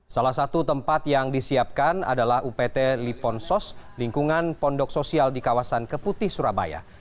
salah satu tempat yang disiapkan adalah upt liponsos lingkungan pondok sosial di kawasan keputih surabaya